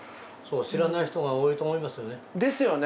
知らない人が多いと思いますよね。ですよね。